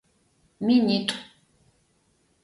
Минитӏу.